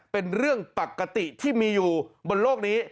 เป็นเรื่องปกติที่มีอยู่บนโลกนี้